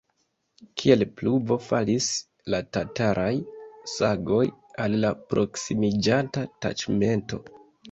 Kiel pluvo falis la tataraj sagoj al la proksimiĝanta taĉmento.